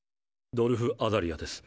ドルフ・アザリアです。